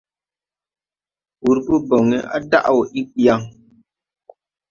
Wurpo boŋe á daʼ wɔ iggi yaŋ.